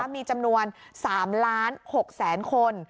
มีจำนวน๓๖๐๐๐๐๐คน